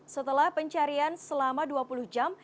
setelah pencarian selama dua puluh jam